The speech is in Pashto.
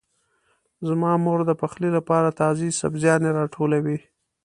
زما مور د پخلي لپاره تازه سبزيانې راټولوي.